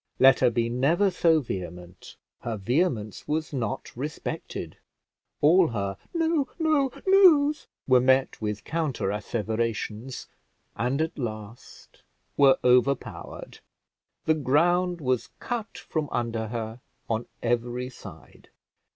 Let her be never so vehement, her vehemence was not respected; all her "No, no, no's" were met with counter asseverations, and at last were overpowered. The ground was cut from under her on every side.